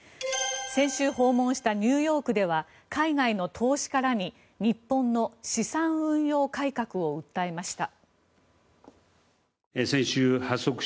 先週訪問したニューヨークでは海外の投資家らに日本の資産運用改革を訴えました。